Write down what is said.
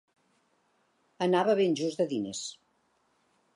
Anava ben just de diners.